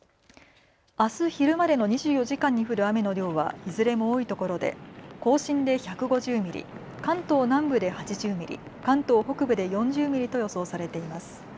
あす昼までの２４時間に降る雨の量はいずれも多いところで甲信で１５０ミリ、関東南部で８０ミリ、関東北部で４０ミリと予想されています。